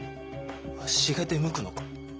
わしが出向くのか？